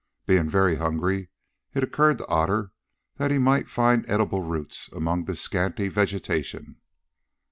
Being very hungry, it occurred to Otter that he might find edible roots among this scanty vegetation.